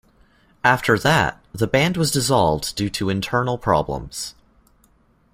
After that, the band was dissolved due to internal problems.